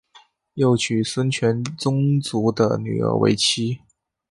又娶孙权宗族的女儿为妻。